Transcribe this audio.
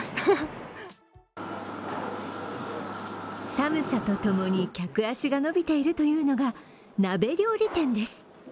寒さとともに客足が伸びているというのが鍋料理店です。